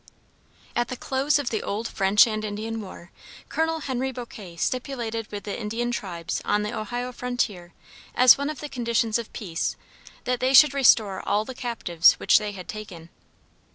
At the close of the old French and Indian War, Colonel Henry Bouquet stipulated with the Indian tribes on the Ohio frontier as one of the conditions of peace that they should restore all the captives which they had taken.